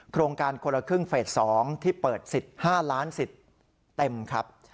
โครงการคนละครึ่งเฟส๒ที่เปิดสิทธิ์๕ล้านสิทธิ์เต็มครับ